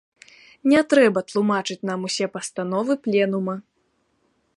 Не трэба тлумачыць нам усе пастановы пленума.